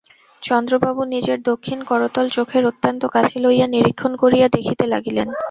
চন্দ্রবাবু নিজের দক্ষিণ করতল চোখের অত্যন্ত কাছে লইয়া নিরীক্ষণ করিয়া দেখিতে লাগিলেন।